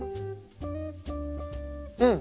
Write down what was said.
うん！